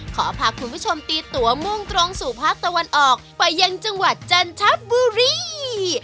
ขอพาคุณผู้ชมตีตัวมุ่งตรงสู่ภาคตะวันออกไปยังจังหวัดจันทบุรี